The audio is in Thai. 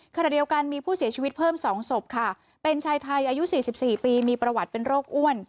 ขณะเดียวกันมีผู้เสียชีวิตเพิ่ม๒ศพค่ะเป็นชายไทยอายุ๔๔ปีมีประวัติเป็นโรคอ้วน